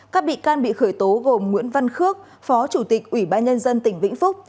các bị can bị khởi tố gồm nguyễn văn khước phó chủ tịch ủy ban nhân dân tỉnh vĩnh phúc